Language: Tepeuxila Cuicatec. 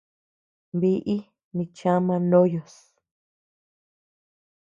Biʼi nichama ndoyos.